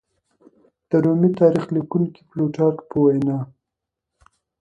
د رومي تاریخ لیکونکي پلوټارک په وینا